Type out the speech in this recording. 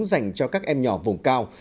dành cho các em nhỏ vùng cao